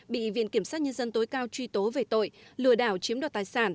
bị viện kiểm sát nhân dân tối cao truy tố về tội lừa đảo chiếm đoạt tài sản